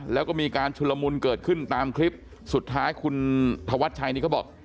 แล้วก็มีการชุลมุนเกิดขึ้นตามคลิปสุดท้ายคุณธวัชชัยนี่เขาบอก